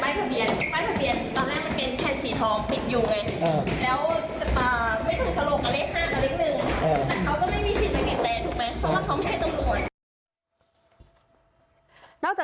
อ๋อแต่เขาก็ไม่มีสิทธิ์หรือติดแทนถูกไหมเพราะว่าเขาไม่ได้จัดโรน